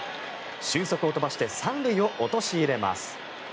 俊足を飛ばして３塁を陥れます。